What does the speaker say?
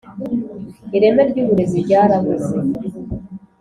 ireme ry uburezi ryarabuze